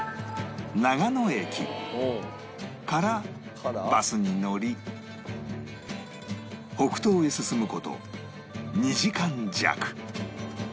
からバスに乗り北東へ進む事２時間弱